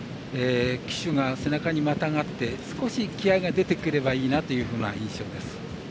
騎手が背中にまたがって少し気合いが出てくればいいなという印象です。